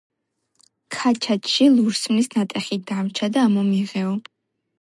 ქაჩაჩში ლურსმნის ნატეხი დამრჩა და ამომიღეო!